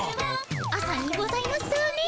朝にございますね。